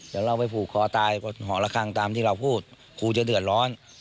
เดี๋ยวเราไปผูกคอตายบนหอระคังตามที่เราพูดครูจะเดือดร้อน